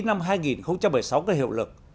năm hai nghìn một mươi sáu có hiệu lực